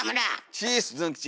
チーッスズン吉。